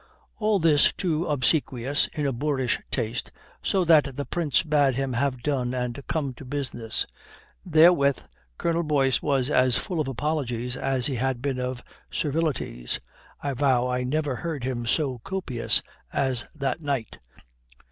All this too obsequious, in a boorish taste, so that the Prince bade him have done and come to business. Therewith Colonel Boyce was as full of apologies as he had been of servilities. I vow I never heard him so copious as that night.